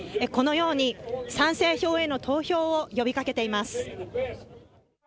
このように賛成票への投票を呼びかけています。